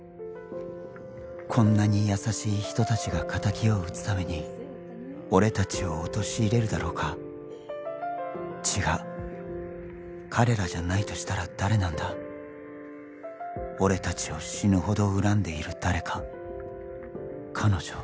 こんなに優しい人達が敵を討つために俺達を陥れるだろうか違う彼らじゃないとしたら誰なんだ俺達を死ぬほど恨んでいる誰か彼女？